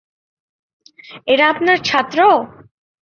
এরা আপনার ছাত্র?